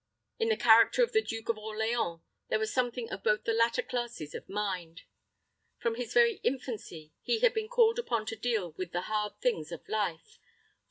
In the character of the Duke of Orleans there was something of both the latter classes of mind. From his very infancy he had been called upon to deal with the hard things of life.